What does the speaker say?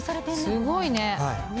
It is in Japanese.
すごいね。